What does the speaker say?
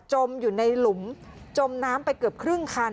มอยู่ในหลุมจมน้ำไปเกือบครึ่งคัน